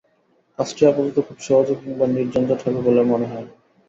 কাজটি আপাতত খুব সহজ কিম্বা নির্ঝঞ্ঝাট হবে বলে মনে হয় না।